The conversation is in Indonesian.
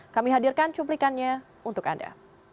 kami hadirkan cuplikannya untuk anda